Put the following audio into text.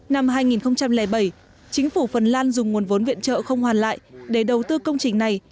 năm hai nghìn bảy chính phủ phần lan dùng nguồn vốn viện trợ không hoàn lại để đầu tư công trình này